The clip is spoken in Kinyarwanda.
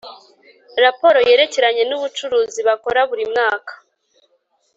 raporo yerekeranye n’ubucuruzi bakora buri mwaka